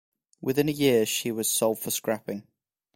Within a year she was sold for scrapping.